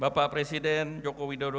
bapak presiden jokowi